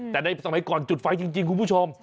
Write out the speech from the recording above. แต่ในสมัยก่อนจุดไฟจริงคุณผู้ชม